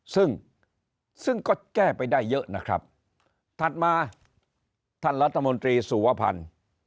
ซึ่งซึ่งก็แก้ไปได้เยอะนะครับถัดมาท่านรัฐมนตรีสุวพันธ์